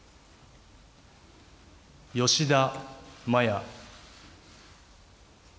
吉田麻也。